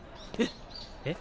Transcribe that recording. えっ。